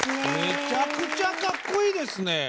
めちゃくちゃかっこいいですね。